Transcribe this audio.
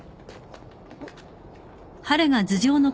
あっ。